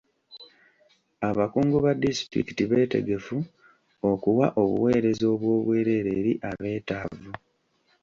Abakungu ba disitulikiti beetegefu okuwa obuweereza obw'obwerere eri abeetaavu.